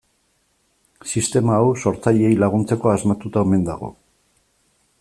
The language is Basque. Sistema hau sortzaileei laguntzeko asmatuta omen dago.